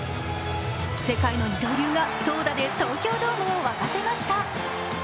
世界の二刀流が投打で東京ドームを沸かせました。